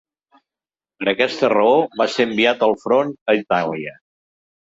Per aquesta raó, va ser enviat al front a Itàlia.